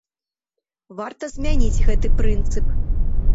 Варта змяніць гэты прынцып.